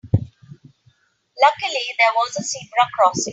Luckily there was a zebra crossing.